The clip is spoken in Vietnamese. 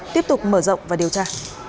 tiếp tục mở rộng và điều tra